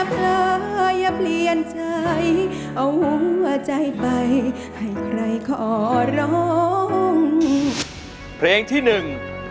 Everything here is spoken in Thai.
เพลงที่หนึ่ง